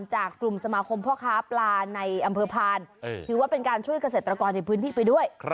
จากกลุ่มสมาคมพ่อค้าปลาในอำเภอพานถือว่าเป็นการช่วยเกษตรกรในพื้นที่ไปด้วย